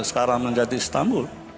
sekarang menjadi istanbul